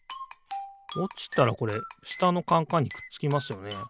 おちたらこれしたのカンカンにくっつきますよね。